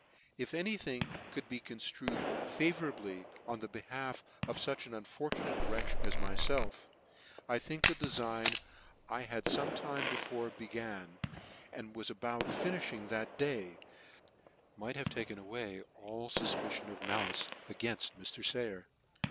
If any thing could be conftrued favour ably on the behalf of fuch an unfortunate wretch as myfelf, I think the defign I had fometime be fore began, and was about finifhing that day, might have taken away all fufpiciqn of malice againft Mr. Sayer.